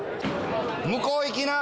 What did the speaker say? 向こう行きな。